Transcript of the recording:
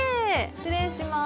失礼します。